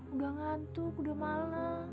udah ngantuk udah malam